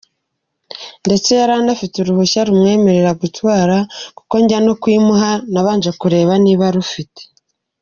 Ndetse yari anafite uruhushya rumwemerera gutwara, kuko njya no kuyimuha nabanje kureba niba arufite.